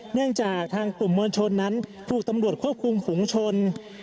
เนื่องจากทางกลุ่มมวลชนนั้นถูกตำรวจควบคุมฝุงชน